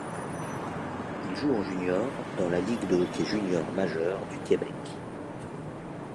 Il joue en junior dans la Ligue de hockey junior majeur du Québec.